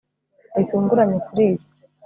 bitunguranye kuri ibyo